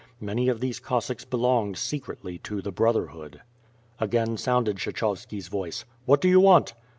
Many of these Cossacks belonged secretly to tlie Brotherhood. Again sounded Kshechovski's voice: "What do you want?''